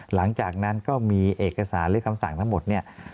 หลังจากนั้นก็มีเอกสารหรือคำสั่งทั้งหมดเนี่ย